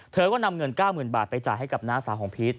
เธอก็นำเงิน๙๐๐๐บาทไปจ่ายให้กับน้าสาวของพีช